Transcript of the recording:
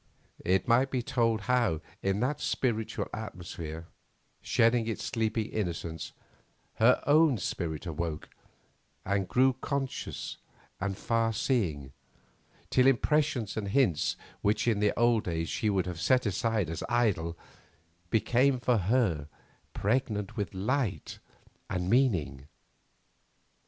It might be told how in that spiritual atmosphere, shedding its sleepy indolence, her own spirit awoke and grew conscious and far seeing, till impressions and hints which in the old days she would have set aside as idle, became for her pregnant with light and meaning.